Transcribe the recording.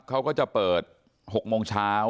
เขาก็จะเปิด๖โมงเช้า